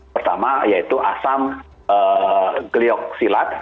pertama yaitu asam glioxilat